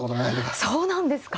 そうなんですか。